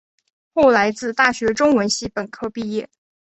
后来自大学中文系本科毕业。